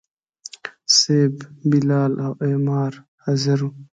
صیب، بلال او عمار حاضر وو.